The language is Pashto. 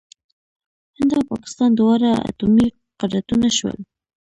هند او پاکستان دواړه اټومي قدرتونه شول.